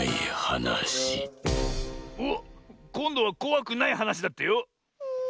おっこんどはこわくないはなしだってよ。